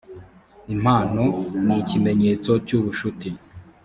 impano nikimenyetso cyubushuti.